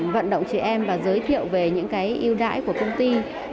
vận động chị em và giới thiệu về những yêu đáy của công ty